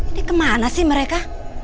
ini kemana sih mereka